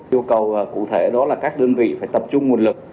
yêu cầu cụ thể đó là các đơn vị phải tập trung nguồn lực